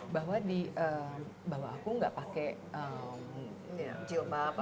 bahwa aku gak pakai jilbab atau